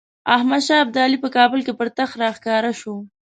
احمدشاه ابدالي په کابل پر تخت راښکاره شو.